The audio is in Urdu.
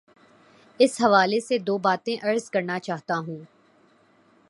اس حوالے سے دو باتیں عرض کرنا چاہتا ہوں۔